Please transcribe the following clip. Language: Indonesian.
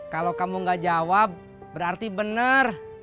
kalo kamu gak jawab berarti bener